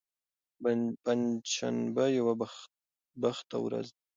پنجشنبه یوه بوخته ورځ وه.